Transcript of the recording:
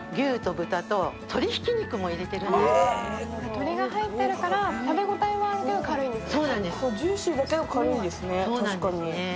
鶏が入ってるから、食べ応えはあるんですけど、軽いんですね。